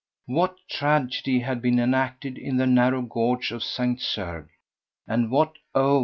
What tragedy had been enacted in the narrow gorge of St. Cergues, and what, oh!